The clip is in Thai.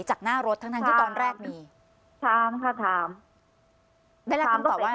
จากหน้ารถทั้งทั้งที่ตอนแรกมีถามค่ะถามได้รับคำตอบว่า